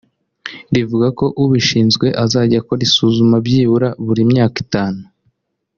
rivuga ko ubishinzwe azajya akora isuzuma byibura buri myaka itanu